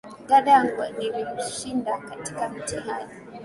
Dada yangu nilimshinda katika mitihani